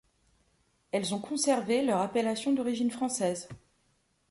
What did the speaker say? Elles ont conservé leur appellation d'origine française.